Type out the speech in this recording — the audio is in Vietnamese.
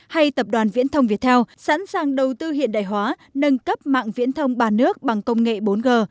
hay tập đoàn viễn thông viettel sẵn sàng đầu tư hiện đại hóa nâng cấp mạng viễn thông ba nước bằng công nghệ bốn g